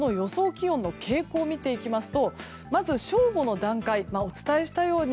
気温の傾向を見ていきますとまず正午の段階お伝えしたように